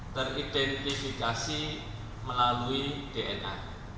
teridentifikasi melalui dna